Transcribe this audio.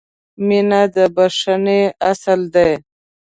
• مینه د بښنې اصل دی.